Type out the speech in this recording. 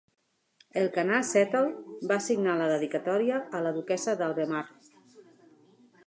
Elkanah Settle va signar la dedicatòria a la duquessa d'Albemarle.